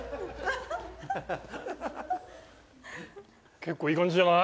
結構いい感じじゃない？